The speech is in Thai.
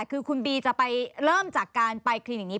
คือคุณบีจะไปเริ่มจากการไปคลินิกนี้